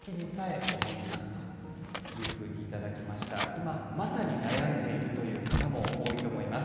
今まさに悩んでいるという方も多いと思います。